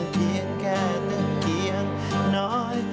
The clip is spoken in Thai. เพียงแค่ตะเกียงน้อย